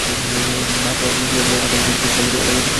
ডাক পাওয়া খেলোয়াড়দের আগামীকাল কোচ নাভিদ আলমের কাছে রিপোর্ট করতে হবে।